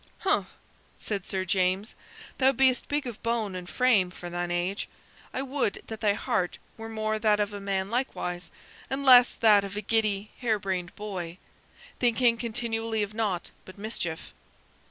"Humph!" said Sir James; "thou be'st big of bone and frame for thine age. I would that thy heart were more that of a man likewise, and less that of a giddy, hare brained boy, thinking continually of naught but mischief."